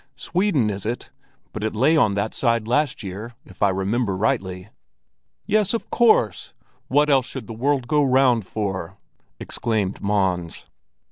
"Sweden, is it? But it lay on that side last year, if I remember rightly." "Yes, of course! What else should the world go round for?" exclaimed Mons.